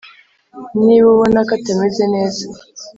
niba ubona ko atameze neza